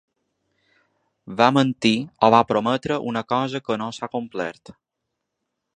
Va mentir o va prometre una cosa que no s’ha complert.